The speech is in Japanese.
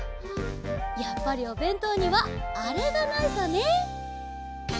やっぱりおべんとうにはあれがないとね！